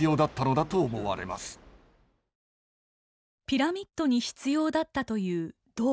ピラミッドに必要だったという銅。